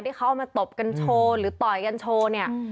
ที่เขาเอามาตบกันโชว์หรือต่อยกันโชว์เนี่ย